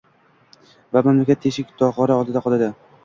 va mamlakat «teshik tog‘ora» oldida qoladi.